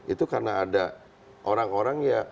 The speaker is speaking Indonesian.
itu karena ada orang orang ya